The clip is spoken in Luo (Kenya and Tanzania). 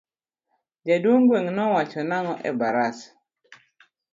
Jaduong gweng no wacho nango e barasa.